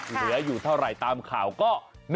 เหลืออยู่เท่าไหร่ตามข่าวก็